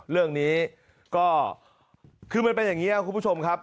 เรื่องนี้ก็คือมันเป็นอย่างนี้ครับคุณผู้ชมครับ